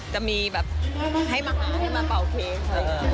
จะมีจานให้มาเป่าเค้ก